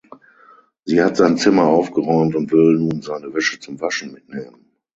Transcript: Sie hat sein Zimmer aufgeräumt und will nun seine Wäsche zum Waschen mitnehmen.